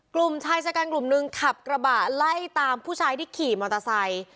กลุ่มชายชะกันกลุ่มนึงขับกระบะไล่ตามผู้ชายที่ขี่มอเตอร์ไซค์